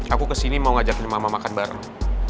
aku kesini mau ngajakin mama makan bareng